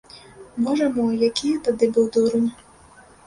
Божа мой, які я тады быў дурань.